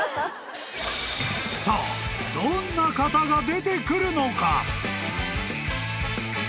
［さあどんな方が出てくるのか］